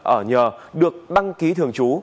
ở nhờ được đăng ký thường trú